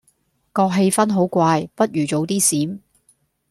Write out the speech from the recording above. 個氣氛好怪，不如早啲閃